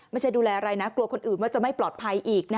ไม่ใช่ดูแลอะไรนะกลัวคนอื่นว่าจะไม่ปลอดภัยอีก